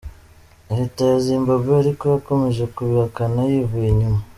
Leta ya Zimbabwe ariko yakomeje kubihakana yivuye inyuma.